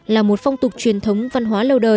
là một phong tục truyền thống văn hóa lâu đời